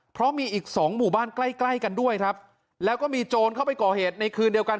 เพราะมีอีกสองหมู่บ้านใกล้ใกล้กันด้วยครับแล้วก็มีโจรเข้าไปก่อเหตุในคืนเดียวกัน